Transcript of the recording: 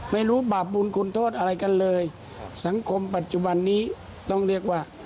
ไม่รู้บาปบุญคุณโทษอะไรกันเลยสังคมปัจจุบันนี้ต้องเรียกว่า